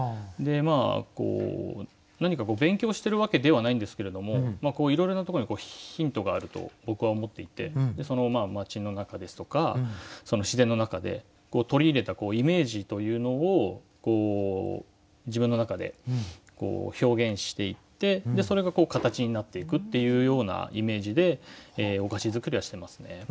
でまあ何か勉強してるわけではないんですけれどもいろいろなところにヒントがあると僕は思っていて街の中ですとか自然の中で取り入れたイメージというのをこう自分の中で表現していってそれがこう形になっていくっていうようなイメージでお菓子作りはしてますね。